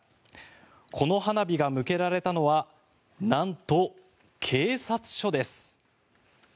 この花火が向けられたのはなんと、警察署です。